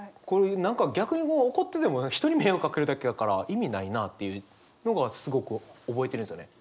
何か逆にこう怒ってても人に迷惑かけるだけやから意味ないなっていうのがすごく覚えてるんすよね。